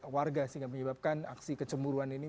warga sehingga menyebabkan aksi kecemburuan ini